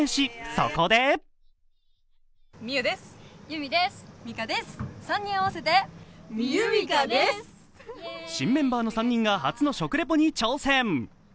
そこで新メンバーの３人が初の食レポに挑戦。